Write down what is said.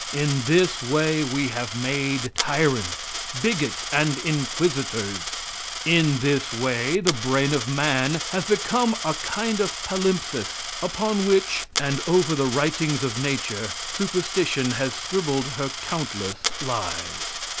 In this way we have made tyrants, bigots, and inquisitors. In this way the brain of man has become a kind of palimpsest upon which, and over the writings of Nature, superstition has scribbled her countless lies.